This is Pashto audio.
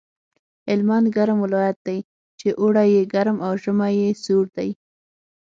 هلمند ګرم ولایت دی چې اوړی یې ګرم او ژمی یې سوړ دی